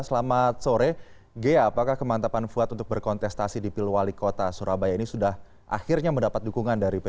selamat sore gaya apakah kemantapan fuad untuk berkontestasi di pil wali kota surabaya ini sudah akhirnya mendapat dukungan dari pdip